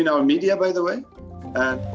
dan antara media kita oleh sebagainya